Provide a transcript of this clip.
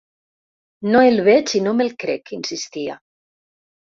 No el veig i no me’l crec, insistia.